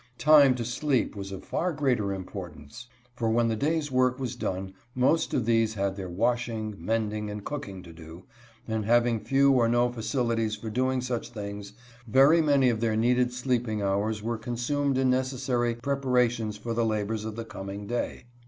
Time to sleep was of far greater importance. For when the day's work was done most of these had their washing, mending, and cooking to do, and having few or no facilities for doing such things, very many of their needed sleeping hours were consumed in necessary preparations for the labors of the coming day.